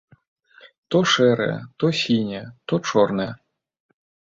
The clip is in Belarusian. То шэрая, то сіняя, то чорная.